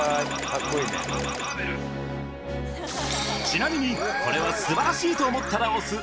ちなみにこれは素晴らしいと思ったら押す